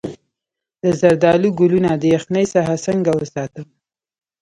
د زردالو ګلونه د یخنۍ څخه څنګه وساتم؟